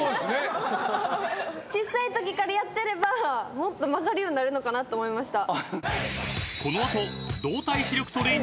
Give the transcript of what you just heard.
小さいときからやってればもっと曲がるようになるのかなと思いました。